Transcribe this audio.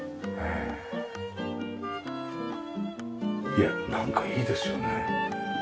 いやなんかいいですよね。